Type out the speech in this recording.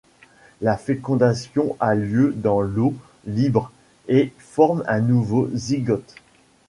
La fécondation a lieu dans l'eau libre et forme un nouveau zygote.